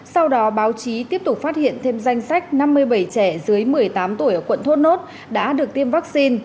sau đó báo chí tiếp tục phát hiện thêm danh sách năm mươi bảy trẻ dưới một mươi tám tuổi ở quận thốt nốt đã được tiêm vaccine